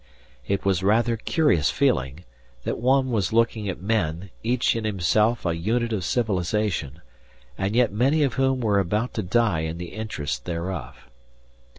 It was rather curious feeling that one was looking at men, each in himself a unit of civilization, and yet many of whom were about to die in the interests thereof.